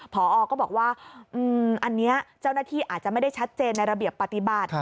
พอก็บอกว่าอันนี้เจ้าหน้าที่อาจจะไม่ได้ชัดเจนในระเบียบปฏิบัติ